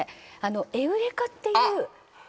エウレカっていうあっ！